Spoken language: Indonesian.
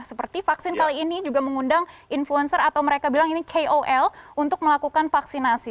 seperti vaksin kali ini juga mengundang influencer atau mereka bilang ini kol untuk melakukan vaksinasi